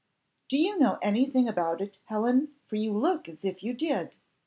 "Do you know any thing about it, Helen, for you look as if you did?"